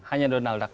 hanya donald duck